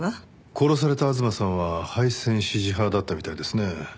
殺された吾妻さんは廃線支持派だったみたいですね。